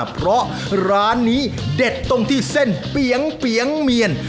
เพราะร้านนี้เด็ดตรงที่เส้นเปียงเมียน